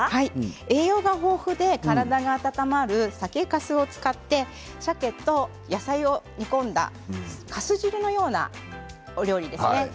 栄養が豊富で体が温まる酒かすを使ってさけと野菜を煮込んだかす汁のようなお料理ですね。